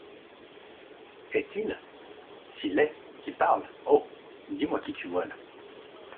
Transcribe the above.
Est-il ? S’il est, qu’il parle ! Oh ! dis-moi qui tu voiles ;